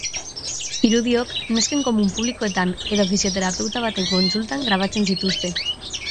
Irudiok nesken komun publikoetan edo fisioterapeuta baten kontsultan grabatzen zituzten.